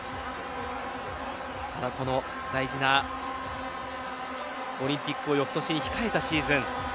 ただ、この大事なオリンピックを翌年に控えたシーズン。